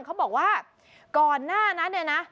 เขาบอกว่าก่อนหน้านั้นเนี่ยนะ